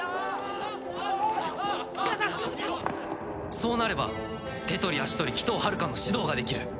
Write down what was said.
そうなれば手取り足取り鬼頭はるかの指導ができる！